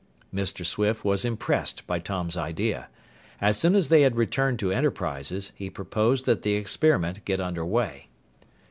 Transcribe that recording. Mr. Swift was impressed by Tom's idea. As soon as they had returned to Enterprises, he proposed that the experiment get under way.